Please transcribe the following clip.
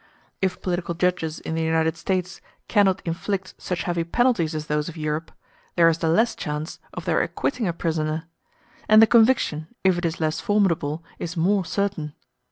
If political judges in the United States cannot inflict such heavy penalties as those of Europe, there is the less chance of their acquitting a prisoner; and the conviction, if it is less formidable, is more certain.